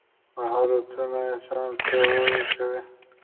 مهارتونه انسان پیاوړی کوي.